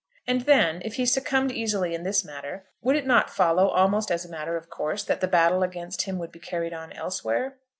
And then, if he succumbed easily in this matter, would it not follow almost as a matter of course that the battle against him would be carried on elsewhere?